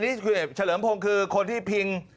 นี่คือเฉลิมพงศ์คือคนที่พิง